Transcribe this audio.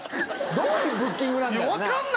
どういうブッキングなんだろうな。